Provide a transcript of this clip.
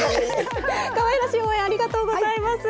かわいらしい応援ありがとうございます。